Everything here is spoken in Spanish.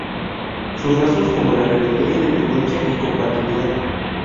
Son rasgos como la rebeldía, independencia y combatividad.